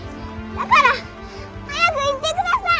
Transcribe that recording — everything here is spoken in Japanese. だから早く行って下さい！